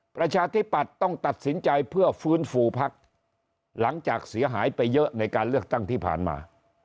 ประชาธิปัตย์ต้องตัดสินใจเพื่อฟื้นฟูภักดิ์หลังจากเสียหายไปเยอะในการเลือกตั้งที่ผ่านมา